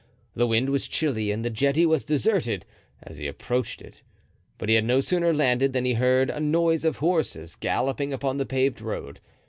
The wind was chilly and the jetty was deserted, as he approached it; but he had no sooner landed than he heard a noise of horses galloping upon the paved road.